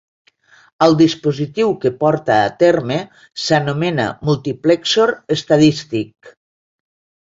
El dispositiu que porta a terme s'anomena multiplexor estadístic.